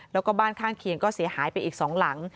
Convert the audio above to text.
แล้วก็บ้านข้างเคียงก็เสียหายไปอีก๒หลัง